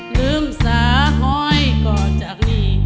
ลืมสาหอยก่อนจากนี้